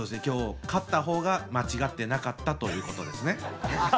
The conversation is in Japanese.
今日勝った方が間違ってなかったということですね。